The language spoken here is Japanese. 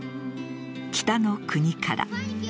「北の国から」